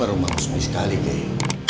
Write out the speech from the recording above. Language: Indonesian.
kenapa rumahku sendiri sekali geyu